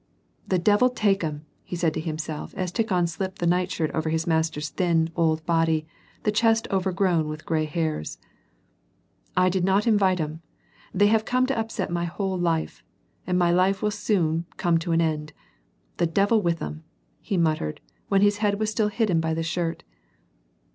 " The devil take 'em !" he said to himself, as Tikhon slipped the night shirt over his master's thin, old body, the chest over grown with gray hairs. "I did not invite 'em. They have come to upset my whole life. And my life will soon be come to an end. To the devil with 'em !" he muttered, while his head was still hidden by the shirt.